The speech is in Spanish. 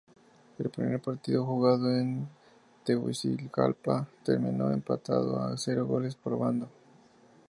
El primer partido, jugado en Tegucigalpa, terminó empatado a cero goles por bando.